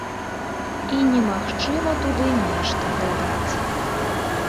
І немагчыма туды нешта дадаць.